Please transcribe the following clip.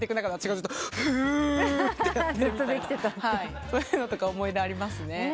そういうのとか思い出あります。